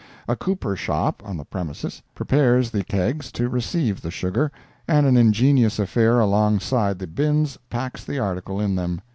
A cooper shop on the premises prepares the kegs to receive the sugar, and an ingenious affair along side the bins packs the article in them.